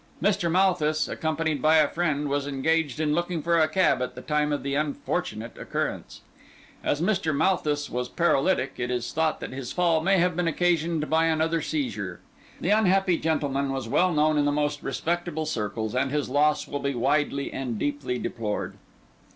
Mr. Malthus, accompanied by a friend, was engaged in looking for a cab at the time of the unfortunate occurrence. As Mr. Malthus was paralytic, it is thought that his fall may have been occasioned by another seizure. The unhappy gentleman was well known in the most respectable circles, and his loss will be widely and deeply deplored."